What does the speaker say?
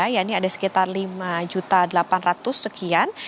ya ini ada sekitar lima delapan ratus sekian